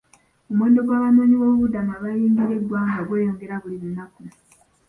Omuwendo gw'abanoonyiboobubudamu abayingira eggwanga gweyongera buli lunaku.